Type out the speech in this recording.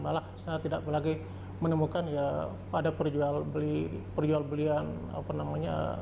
malah saya tidak lagi menemukan ya ada perjualan beli perjualan belian apa namanya